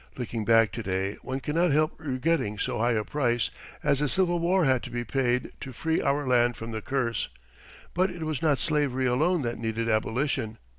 Looking back to day one cannot help regretting so high a price as the Civil War had to be paid to free our land from the curse, but it was not slavery alone that needed abolition.